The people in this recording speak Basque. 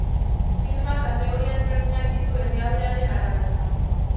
Filmak kategoria ezberdinak ditu herrialdearen arabera.